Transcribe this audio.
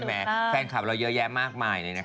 แม้แฟนคลับเราเยอะแยะมากมายเลยนะคะ